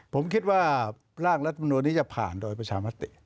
ผมคิดว่าร่างรัฐมนุนนี้จะผ่านโดยประชามติ